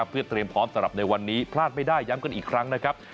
เพื่อเตรียมพร้อมสำหรับในวันนี้พลาดไม่ได้ย้ำกันอีกครั้งนะครับ